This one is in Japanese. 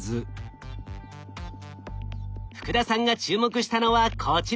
福田さんが注目したのはこちら。